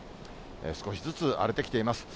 少しずつ荒れてきています。